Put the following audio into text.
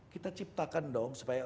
kita ciptakan dong